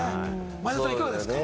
前田さん、いかがですか？